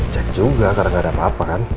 cek juga karena gak ada apa apa kan